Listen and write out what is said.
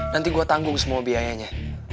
nanti gue tanggung semua biayanya